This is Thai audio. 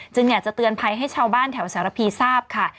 อยากจะเตือนภัยให้ชาวบ้านแถวสารพีทราบค่ะ